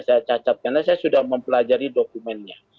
saya cacat karena saya sudah mempelajari dokumennya